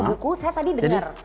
buku saya tadi dengar